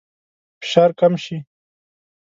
فشار کم شي.